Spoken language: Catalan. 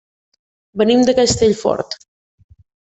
Venim de Castellfort.